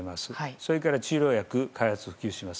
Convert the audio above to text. それから治療薬開発・普及します。